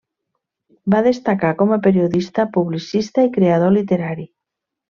Va destacar com a periodista, publicista i creador literari.